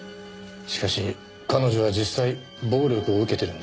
しかし彼女は実際暴力を受けてるんですがね。